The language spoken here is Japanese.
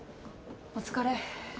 お疲れ。